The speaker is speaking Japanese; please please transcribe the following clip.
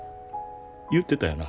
言ってたよな。